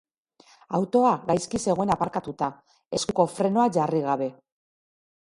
Autoa gaizki zegoen aparkatuta, eskuko frenoa jarri gabe.